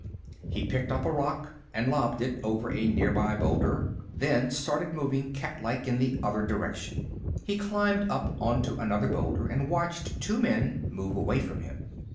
He picked up a rock and lobbed it over a nearby boulder, then started moving cat like in the other direction. He climbed up onto another boulder and watched two men move away from him.